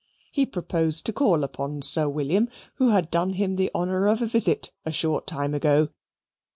He proposed to call upon Sir William, who had done him the honour of a visit a short time ago.